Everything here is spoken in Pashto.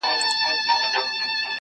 یو له بله کړو پوښتني لکه ښار د ماشومانو٫